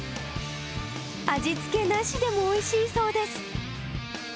味付けなしでもおいしいそうです。